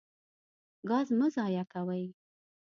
ګاز مه ضایع کوئ.